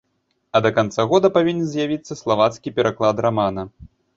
А да канца года павінен з'явіцца славацкі пераклад рамана.